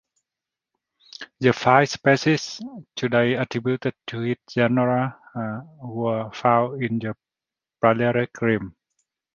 The five species, today attributed to this genre, were found in the Palearctic realm.